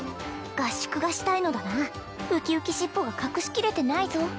合宿がしたいのだなウキウキ尻尾が隠し切れてないぞ